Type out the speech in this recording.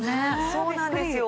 そうなんですよ。